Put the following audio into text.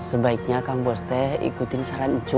sebaiknya kambos teh ikutin saran